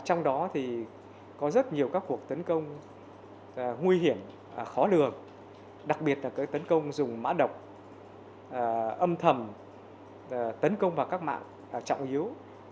trong đó thì có rất nhiều các cuộc tấn công nguy hiểm khó lường đặc biệt là tấn công dùng mã độc âm thầm tấn công vào các mạng trọng yếu